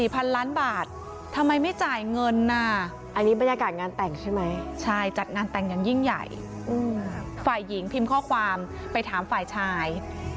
ฝ่ายหญิงพิมพ์ข้อความไปถามฝ่ายชาย